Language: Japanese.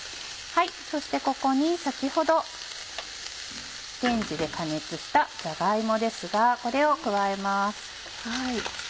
そしてここに先ほどレンジで加熱したじゃが芋ですがこれを加えます。